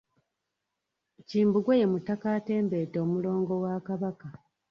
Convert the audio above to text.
Kimbugwe ye mutaka atembeeta omulongo wa Kabaka.